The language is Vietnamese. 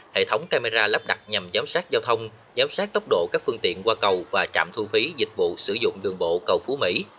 hệ thống camera lắp đặt nhằm giám sát giao thông giám sát tốc độ các phương tiện qua cầu và trạm thu phí dịch vụ sử dụng đường bộ cầu phú mỹ